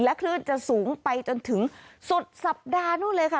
คลื่นจะสูงไปจนถึงสุดสัปดาห์นู่นเลยค่ะ